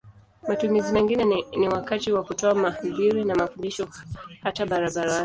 Matumizi mengine ni wakati wa kutoa mahubiri na mafundisho hata barabarani.